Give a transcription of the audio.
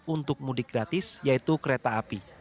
untuk mudik gratis yaitu kereta api